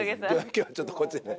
今日はちょっとこっちでね